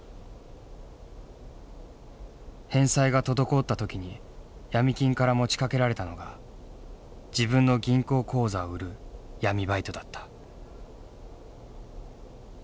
返済が滞った時に闇金から持ちかけられたのが自分の銀行口座を売る闇バイトだった。